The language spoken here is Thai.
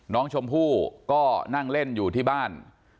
น้องชมพู่ก็นั่งเล่นอยู่ที่บ้าน